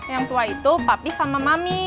yang tua itu papi sama mami